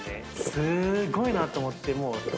すっごいなと思ってもう。